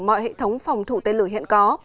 mọi hệ thống phòng thủ tên lửa hiện có